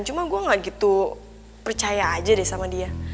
cuma gue gak gitu percaya aja deh sama dia